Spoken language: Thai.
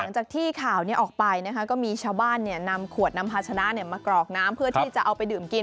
หลังจากที่ข่าวนี้ออกไปนะคะก็มีชาวบ้านนำขวดนำพาชนะมากรอกน้ำเพื่อที่จะเอาไปดื่มกิน